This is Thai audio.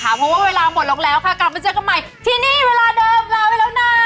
เพราะว่าเวลาหมดลงแล้วค่ะกลับมาเจอกันใหม่ที่นี่เวลาเดิมลาไปแล้วนะ